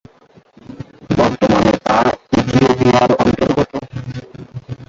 বর্তমানে তা ইথিওপিয়ার অন্তর্গত।